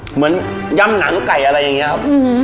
เหมือนย่ำหนังไก่อะไรอย่างนี้ครับ